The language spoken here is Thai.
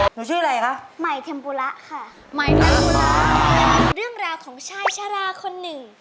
หนูชื่ออะไรคะไหมเทมปุระค่ะเรื่องราของชายชราคนหนึ่ง